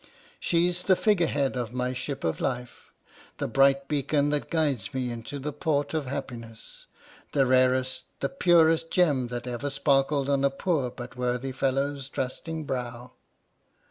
"She's the figure head of my ship of life — the bright beacon that guides me into the port of happi ness — the rarest, the purest gem that ever sparkled on a poor but worthy fellow's trusting brow."